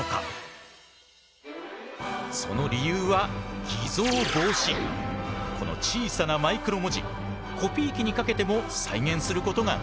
その理由はこの小さなマイクロ文字コピー機にかけても再現することができない。